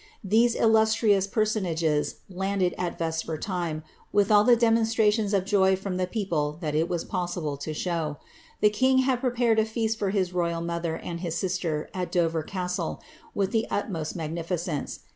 These illustrious per sonages landed at vesper time, with all the demonstrations of joy from the [leople that it was possiI>lc to show. The king had prepared a feast for his royal mother and his sister, at Dover castle, with the utmost magnificence.